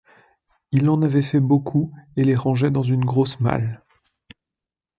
Il en avait fait beaucoup et les rangeait dans une grosse malle.